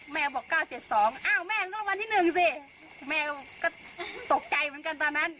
แม่ก็บอก๙๗๒แม่ก็ต้องรับวันที่๑สิแม่ก็ตกใจเหมือนกันตอนนั้น